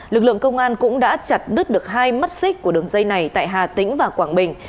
lực lượng công an cũng đã chặt đứt được hai mắt xích của đường dây này tại hà tĩnh và quảng bình